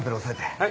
はい。